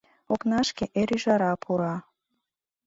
Окнашке эр ӱжара пура.